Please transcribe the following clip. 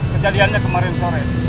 kejadiannya kemarin sore